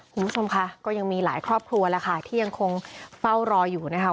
คุณผู้ชมค่ะก็ยังมีหลายครอบครัวแล้วค่ะที่ยังคงเฝ้ารออยู่นะคะ